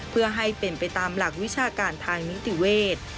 เพื่อให้เป็นไปตามหลักวิชาการทางนิติเวทย์